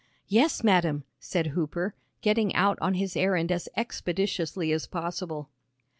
"Yes, madam," said Hooper, getting out on his errand as expeditiously as possible.